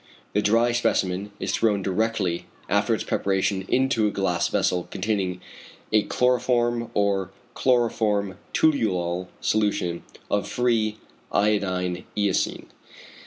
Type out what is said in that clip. The dry specimen is thrown directly after its preparation into a glass vessel containing a chloroform or chloroform toluol solution of free iodine eosine.